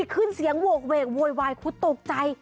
ขึ้นเสียงโหกเวกโวยวายคุณตกใจ